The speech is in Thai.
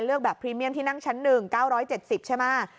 แบบพรีเมียมที่นั่งชั้น๑๙๗๐ใช่ไหม